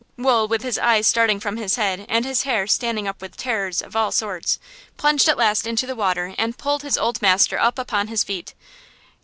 Wool with his eyes starting from his head and his hair standing up with terrors of all sorts, plunged at last into the water and pulled his old master up upon his feet.